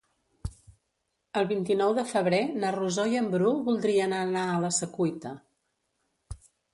El vint-i-nou de febrer na Rosó i en Bru voldrien anar a la Secuita.